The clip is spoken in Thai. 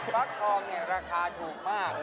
ฟักทองเนี่ยราคาถูกมาก